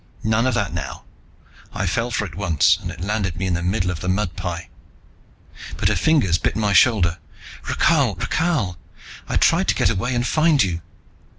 "None of that now. I fell for it once, and it landed me in the middle of the mudpie." But her fingers bit my shoulder. "Rakhal, Rakhal, I tried to get away and find you.